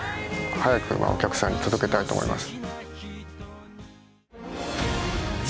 早くお客さんに届けたいと思います。